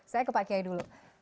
saya ke pak kiai dulu